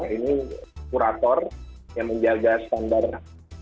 ini kurator yang menjaga standar